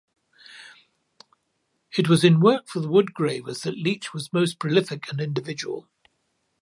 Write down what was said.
It was in work for the wood-engravers that Leech was most prolific and individual.